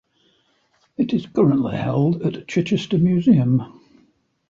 It is currently held at Chichester Museum.